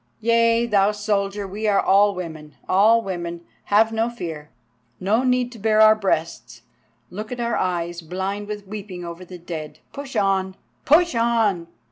Yea, thou soldier—we are women, all women, have no fear. No need to bare our breasts, look at our eyes blind with weeping over the dead. Push on! push on!"